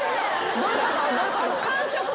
どういうこと？